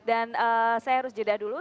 dan saya harus jeda dulu